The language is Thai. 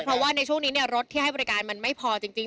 เพราะว่าในช่วงนี้รถที่ให้บริการมันไม่พอจริง